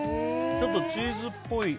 ちょっとチーズっぽい。